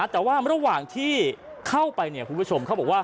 แต่ว่าระหว่างที่เข้าไปคุณผู้ชมเขาบอกว่า